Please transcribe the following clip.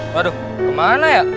waduh kemana ya